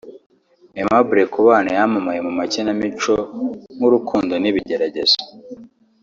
Aimable Kubana yamamaye mu makinamico nka ‘Urukundo n’ibigeragezo’